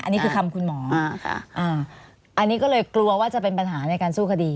อันนี้คือคำคุณหมออันนี้ก็เลยกลัวว่าจะเป็นปัญหาในการสู้คดี